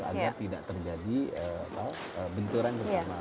agar tidak terjadi benturan bersama